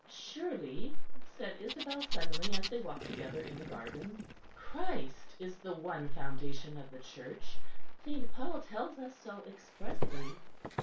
"Surely," said Isabel suddenly, as they walked together in the garden, "Christ is the one Foundation of the Church, St. Paul tells us so expressly."